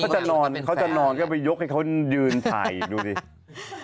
เขาจะนอนก็ไปยกให้เขายืนถ่ายดูดิ